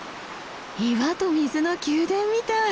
岩と水の宮殿みたい。